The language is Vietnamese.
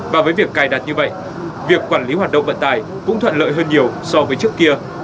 và với việc cài đặt như vậy việc quản lý hoạt động vận tải cũng thuận lợi hơn nhiều so với trước kia